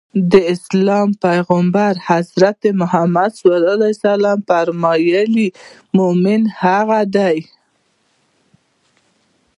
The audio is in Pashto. د اسلام پيغمبر ص وفرمايل مومن هغه دی.